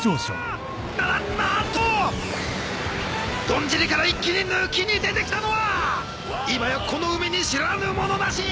どんじりから一気に抜きに出てきたのは今やこの海に知らぬ者なし！